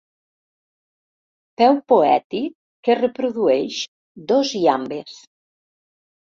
Peu poètic que reprodueix dos iambes.